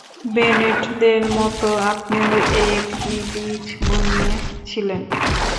বেনেটদের মতো আপনিও একই বীজ বুনেছিলেন?